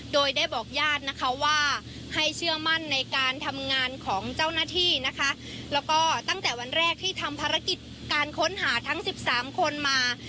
โดยได้บอกญาตินะคะว่าให้เชื่อมั่นในการทำงานของเจ้าหน้าที่นะคะแล้วก็ตั้งแต่วันแรกที่ทำภารกิจการค้นหาทั้งสิบสามคนมา